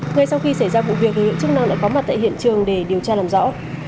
ngay sau khi xảy ra vụ việc lực lượng chức năng đã có mặt tại hiện trường để điều tra làm rõ